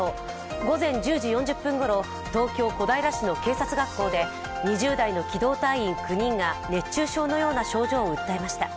午前１０時４０分ごろ東京・小平市の警察学校で２０代の機動隊員９人が熱中症のような症状を訴えました。